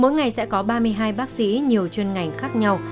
mỗi ngày sẽ có ba mươi hai bác sĩ nhiều chuyên ngành khác nhau